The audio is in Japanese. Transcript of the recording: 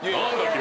君。